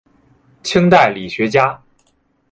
清代理学家。